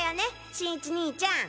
新一兄ちゃん！